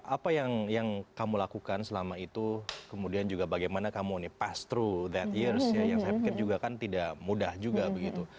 apa yang kamu lakukan selama itu kemudian juga bagaimana kamu nih pastro that years ya yang saya pikir juga kan tidak mudah juga begitu